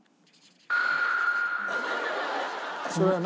それは何？